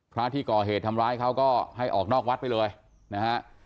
พระที่ก่อเหตุทำร้ายเขาก็ให้ออกนอกวัดไปเลยนะฮะ